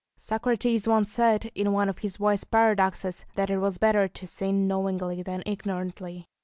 Socrates once said, in one of his wise paradoxes, that it was better to sin knowingly than ignorantly.